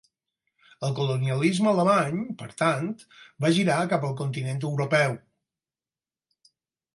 El colonialisme alemany, per tant, va girar cap al continent europeu.